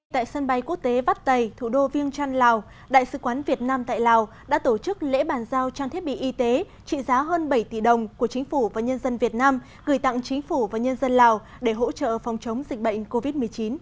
tại sân bay quốc tế vắt tày thủ đô viêng trăn lào đại sứ quán việt nam tại lào đã tổ chức lễ bàn giao trang thiết bị y tế trị giá hơn bảy tỷ đồng của chính phủ và nhân dân việt nam gửi tặng chính phủ và nhân dân lào để hỗ trợ phòng chống dịch bệnh covid một mươi chín